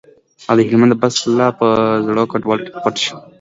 او د هلمند د بست کلا په زړو کنډوالو کې پټ شو.